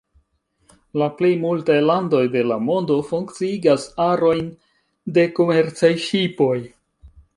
La plej multaj landoj de la mondo funkciigas arojn de komercaj ŝipoj.